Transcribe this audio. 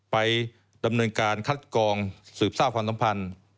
ไปดำเนินการคัดกองสืบทราบความสัมพันธ์